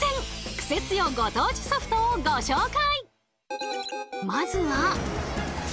クセ強ご当地ソフト！」をご紹介！